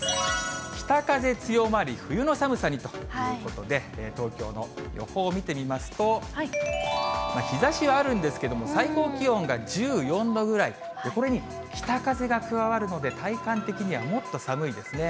北風強まり、冬の寒さにということで、東京の予報見てみますと、日ざしはあるんですけれども、最高気温が１４度ぐらい、これに北風が加わるので体感的にはもっと寒いですね。